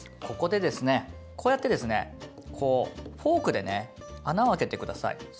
ここでですねこうやってですねこうフォークでね穴を開けてください。